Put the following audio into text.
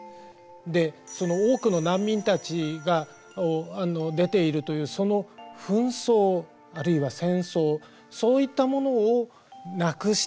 でその多くの難民たちが出ているというその紛争あるいは戦争そういったものをなくしていく。